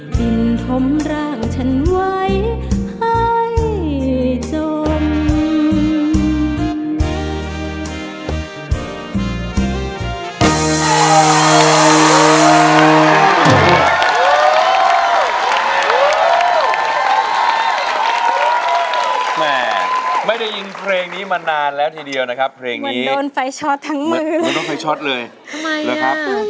ดินช่วยทรัพย์น้ำตาข้าขอวัลลาจาก